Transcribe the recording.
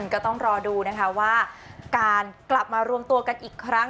ก็ต้องรอดูนะคะว่าการกลับมารวมตัวกันอีกครั้ง